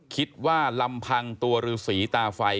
คิดว่าลำพังตัวหรือศรีตาไฟ